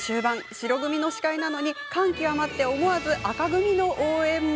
白組司会なのに感極まって思わず紅組の応援も。